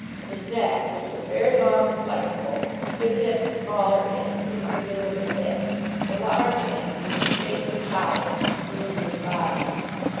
His neck, which was very long and flexible, fitted at the smaller end into the middle of his head ; the large end, which was made for the collar, grew into his body.